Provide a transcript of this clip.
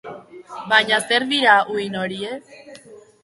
Baina zer dira uhin horiek?